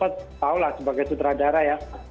tahu lah sebagai sutradara ya